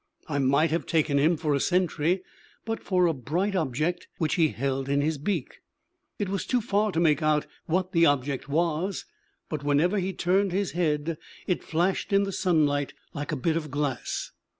I might have taken him for a sentry but for a bright object which he held in his beak. It was too far to make out what the object was; but whenever he turned his head it flashed in the sunlight like a bit of glass.